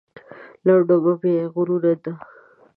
لنډو مه بیایه غرمه ده.